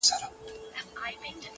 نور به شاعره زه ته چوپ ووسو؛